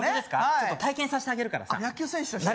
ちょっと体験させてあげるからさ野球選手として？